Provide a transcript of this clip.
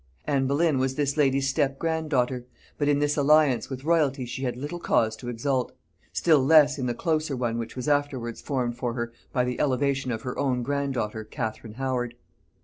Anne Boleyn was this lady's step grand daughter: but in this alliance with royalty she had little cause to exult; still less in the closer one which was afterwards formed for her by the elevation of her own grand daughter Catherine Howard.